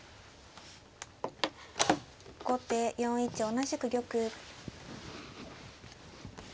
後手４一同じく玉。